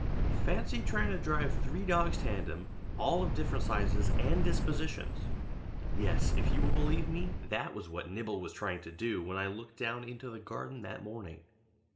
Fancy trying to drive three dogs tandem, all of different sizes and dispositions! Yes, if you will believe me, that was what Nibble was trying to do when I looked down into the garden that morning.